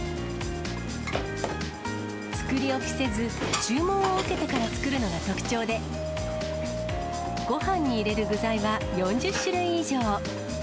作り置きせず、注文を受けてから作るのが特徴で、ごはんに入れる具材は４０種類以上。